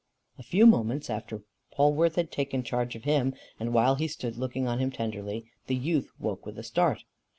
A few moments after Polwarth had taken charge of him, and while he stood looking on him tenderly, the youth woke with a start.